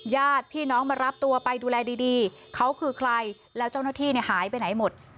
ญาติพี่น้องมารับตัวไปดูแลดีเขาคือใครแล้วเจ้าหน้าที่เนี่ยหายไปไหนหมด